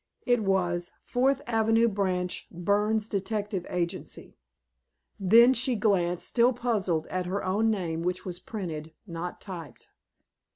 It was "Fourth Avenue Branch, Burns Detective Agency." Then she glanced, still puzzled, at her own name, which was written, not typed.